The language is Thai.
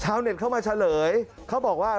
เน็ตเข้ามาเฉลยเขาบอกว่า